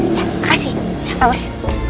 makasih ya pak bos